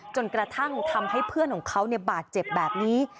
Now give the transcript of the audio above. จนกระทั่งทำให้เพื่อนของเขาบาดเจ็บแบบนี้